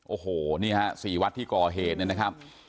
โอ้โหนี่ชัย๔วัดที่ก่อเหตุนะครับ